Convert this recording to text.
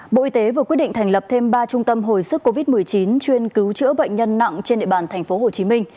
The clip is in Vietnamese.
bộ y tế vừa quyết định thành lập thêm ba trung tâm hồi sức covid một mươi chín chuyên cứu chữa bệnh nhân nặng trên địa bàn tp hcm